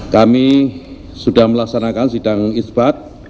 kami sudah melaksanakan sidang isbat